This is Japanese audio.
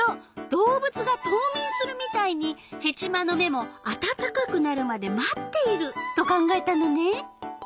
動物が冬眠するみたいにヘチマの芽もあたたかくなるまで待っていると考えたのね。